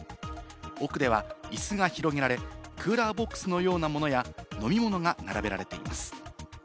奥ではいすが広げられ、クーラーボックスのようなものや飲み物が並べられています。